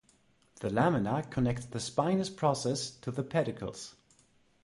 The lamina connects the spinous process to the pedicles.